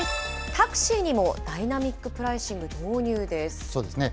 タクシーにもダイナミックプライシそうですね。